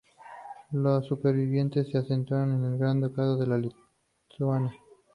Los supervivientes se asentaron en el Gran Ducado de Lituania.